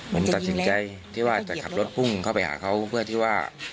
ผมตัดสินใจที่ว่าจะขับรถพุ่งเข้าไปหาเขาเพื่อที่ว่า